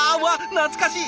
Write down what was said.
懐かしい！